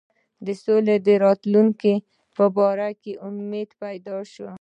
د سولي د راتلونکي په باره کې امید پیدا شو.